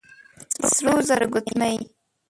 د سرو زرو ګوتمۍ،